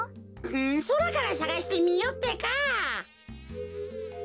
んそらからさがしてみよってか。